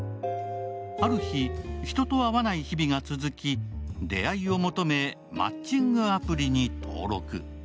ある日、人と会わない日々が続き出会いを求めマッチングアプリに登録。